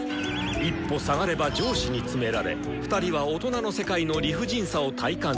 一歩下がれば上司につめられ２人は大人の世界の理不尽さを体感していた。